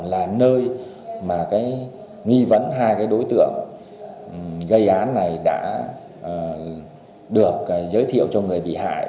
là nơi mà nghi vấn hai đối tượng gây án này đã được giới thiệu cho người bị hại